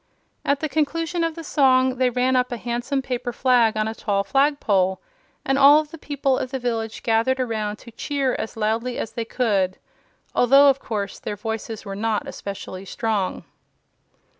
At the conclusion of the song they ran up a handsome paper flag on a tall flagpole, and all of the people of the village gathered around to cheer as loudly as they could although, of course, their voices were not especially strong.